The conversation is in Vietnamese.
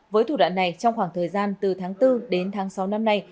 với thủ đoạn này trong khoảng thời gian từ tháng bốn đến tháng sáu năm nay